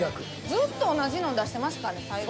ずっと同じの出してますから最後。